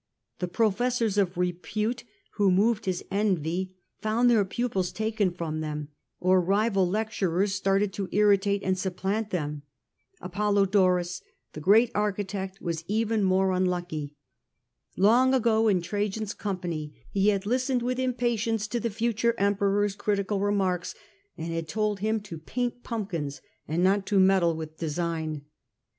The professors of repute who moved his envy found their pupils taken from them, or as in the rival lecturers started to irritate and supplant them. Apollodorus, the great architect, was doms. even more unlucky. Long ago in Trajan's company he had listened with impatience to the future Emperor's critical remarks, and had told him to paint pumpkins and not to meddle with design.